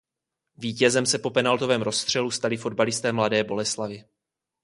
Vítězem se po penaltovém rozstřelu stali fotbalisté Mladé Boleslavi.